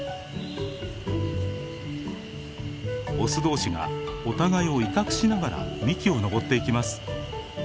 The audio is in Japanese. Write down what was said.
オス同士がお互いを威嚇しながら幹を登っていきます。